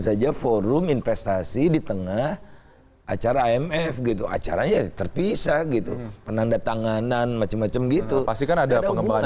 saja forum investasi di tengah acara imf gitu acaranya terpisah gitu penanda tanganan macam macam gitu pasti kan ada hubungannya